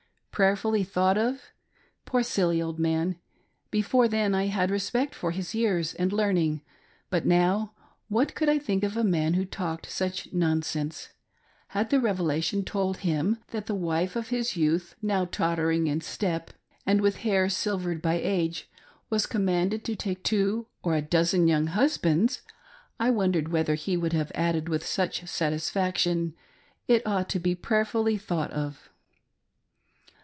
Prayerfully thought of ! Poor, silly old man ! Before then I had respect for his years and learning ; but now — what could I think of a man who talked such nonsense .■' Had the revela tion told him that the wife of his youth, now tottering in step, and with hair silvered by age, was commanded to take two or a dozen young husbands — I wondered whether he would have added with such satisfaction :" It ought to be prayerfully thought of